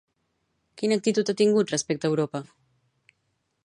Quina actitud ha tingut respecte Europa?